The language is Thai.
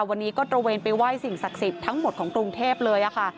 วันนี้ก็ตระเวนไปไหว้สิ่งศักดิ์สิทธิ์ทั้งหมดของกรุงเทพเลยค่ะ